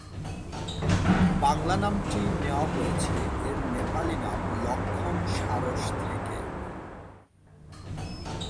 বাংলা নামটি নেওয়া হয়েছে এর নেপালি নাম লক্ষণ সারস থেকে।